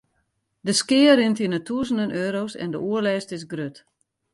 De skea rint yn 'e tûzenen euro's en de oerlêst is grut.